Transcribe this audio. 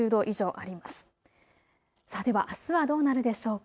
あすはどうなるでしょうか。